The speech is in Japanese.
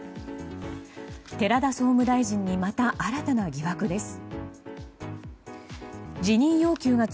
寺田総務大臣にまた新たな疑惑です。